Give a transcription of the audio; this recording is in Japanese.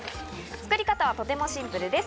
作り方はとてもシンプルです。